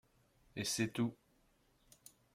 Et c'est tout